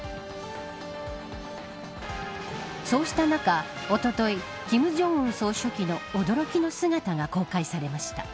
そうしたなか、おととい金正恩総書記の驚きの姿が公開されました。